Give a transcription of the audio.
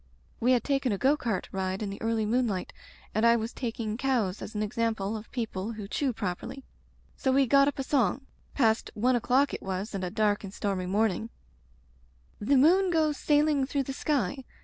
We had taken a go cart ride in the early moonlight and I was taking cows as an example of people who chew properly. So we got up a song — (past one o'clock it was and a dark and stormy morning) The moon goes sailing through the sky.